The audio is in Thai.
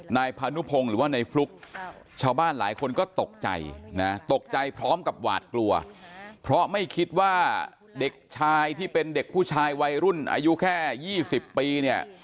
นายพานุพงศ์หรือว่าในฟลุ๊กชาวบ้านหลายคนก็ตกใจนะตกใจพร้อมกับหวาดกลัวเพราะไม่คิดว่าเด็กชายที่เป็นเด็กผู้ชายวัยรุ่นอายุแค่๒๐ปีเนี่ย